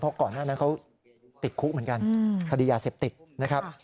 เพราะก่อนหน้านั้นเขาติดคุกเหมือนกันคดียาเสพติดนะครับ